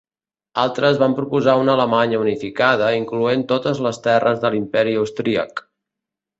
Altres van proposar una Alemanya unificada incloent totes les terres de l'Imperi austríac.